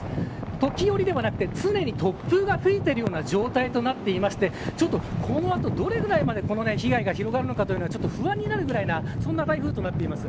時折ではなくて、常に突風が吹いているような状態となっていてこの後どれぐらいまで被害が広がるのかというのが不安になるぐらいの台風となっています。